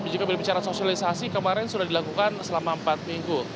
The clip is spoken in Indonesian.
jika berbicara sosialisasi kemarin sudah dilakukan selama empat minggu